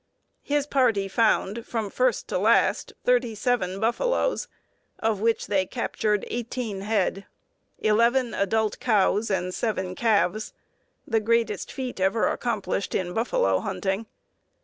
His party found, from first to last, thirty seven buffaloes, of which they captured eighteen head, eleven adult cows and seven calves; the greatest feat ever accomplished in buffalo hunting.